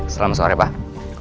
selamat sore pak